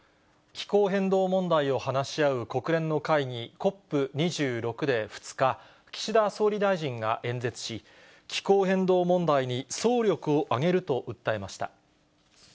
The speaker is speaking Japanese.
気候変動問題を話し合う国連の会議、ＣＯＰ２６で２日、岸田総理大臣が演説し、気候変動問題に総力を挙げると訴えました。